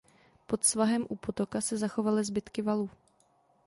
Pod svahem u potoka se zachovaly zbytky valu.